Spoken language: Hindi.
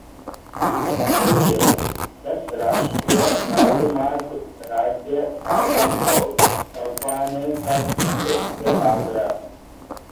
मप्र के दस राष्ट्रीय राजमार्ग राज्य शासन को सौंपने का केन्द्र से आग्रह